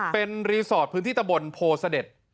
เป็นรีสอร์ทพื้นที่ตะบนโพเสด็จ